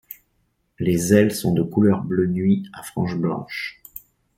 Les ailes sont de couleur bleu nuit à frange blanche.